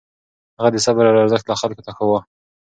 هغه د صبر ارزښت خلکو ته ښووه.